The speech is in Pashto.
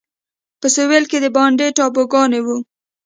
په سوېل کې د بانډا ټاپوګان وو.